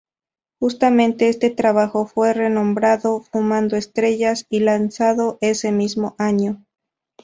Justamente este trabajo fue renombrado 'Fumando Estrellas' y lanzado ese mismo año.